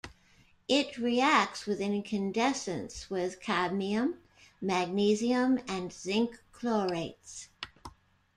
It reacts with incandescence with cadmium, magnesium and zinc chlorates.